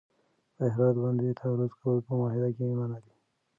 پر هرات باندې تعرض کول په معاهده کي منع دي.